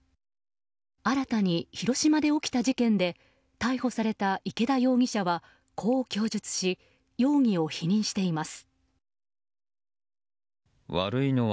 新たに広島で起きた事件で逮捕された池田容疑者はこう供述し容疑を否認しています。